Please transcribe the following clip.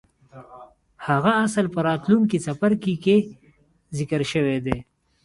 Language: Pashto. هغه اصل په راتلونکي څپرکي کې ذکر شوی دی.